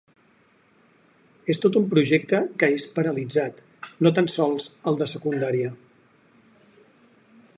És tot un projecte que és paralitzat, no tan sols el de secundària.